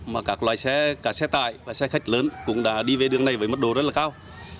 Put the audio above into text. mà các loại xe cả xe tải và xe khách lớn cũng đã đi về đường này với mức độ rất là cao